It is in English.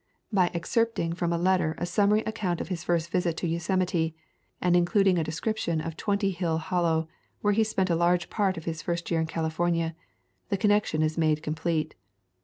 By excerpting from a letter a summary account of his first visit to Yosemite, and in cluding a description of Twenty Hill Hollow, where he spent a large part of his first year in California, the connection is made complete.